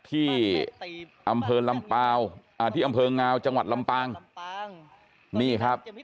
ที่อำเภอลำเปล่าอ่าที่อำเภองาวจังหวัดลำปางนี่ครับ